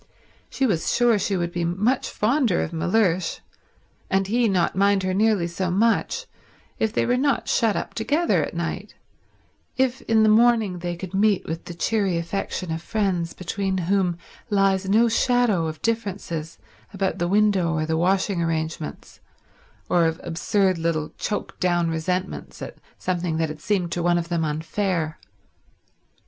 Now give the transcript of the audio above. She was sure she would be much fonder of Mellersh, and he not mind her nearly so much, if they were not shut up together at night, if in the morning they could meet with the cheery affection of friends between whom lies no shadow of differences about the window or the washing arrangements, or of absurd little choked down resentments at something that had seemed to one of them unfair.